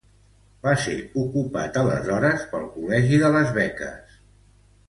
Va ser ocupat aleshores pel Col·legi de les Beques.